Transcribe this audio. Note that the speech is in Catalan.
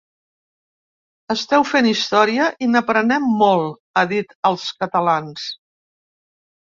Esteu fent història i n’aprenem molt, ha dit als catalans.